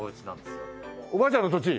おばあちゃんの土地。